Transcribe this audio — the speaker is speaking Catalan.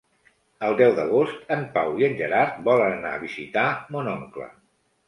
El deu d'agost en Pau i en Gerard volen anar a visitar mon oncle.